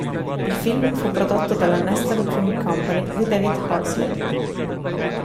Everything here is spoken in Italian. Il film fu prodotto dalla Nestor Film Company di David Horsley.